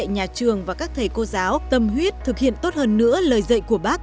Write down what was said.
nhà trường và các thầy cô giáo tâm huyết thực hiện tốt hơn nữa lời dạy của bác